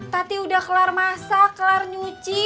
tati udah kelar masak kelar nyuci